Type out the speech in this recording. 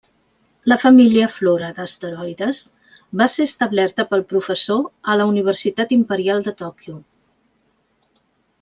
La família Flora d'asteroides va ser establerta pel professor a la Universitat Imperial de Tòquio.